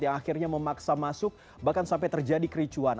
yang akhirnya memaksa masuk bahkan sampai terjadi kericuan